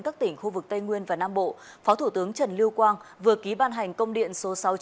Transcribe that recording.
các tỉnh khu vực tây nguyên và nam bộ phó thủ tướng trần lưu quang vừa ký ban hành công điện số sáu trăm chín mươi